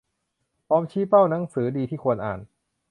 พร้อมชี้เป้าหนังสือดีที่ควรอ่าน